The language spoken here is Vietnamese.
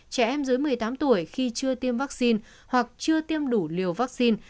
trẻ em dưới một mươi tám tuổi khi chưa tiêm vaccine hoặc chưa tiêm đủ liều vaccine